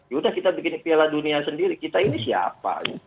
yaudah kita bikin piala dunia sendiri kita ini siapa